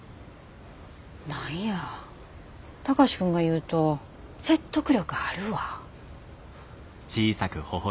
何や貴司君が言うと説得力あるわ。